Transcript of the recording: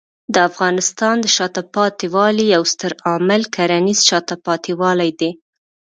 د افغانستان د شاته پاتې والي یو ستر عامل کرنېز شاته پاتې والی دی.